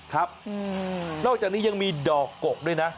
ครับนอกจากนี้ยังมีดอกกกด้วยนะ